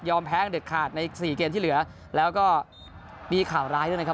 แพ้เด็ดขาดในสี่เกมที่เหลือแล้วก็มีข่าวร้ายด้วยนะครับ